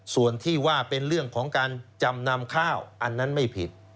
ส่วนที่ว่าเป็นเรื่องของการจำนำข้าวอันนั้นไม่ผิด